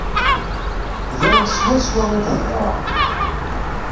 Da swaswa i d-teḍra.